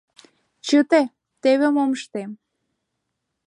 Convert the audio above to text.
Чыте, теве мом ыштем...